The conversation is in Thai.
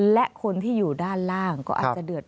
และคนที่อยู่ด้านล่างก็อาจจะเดือด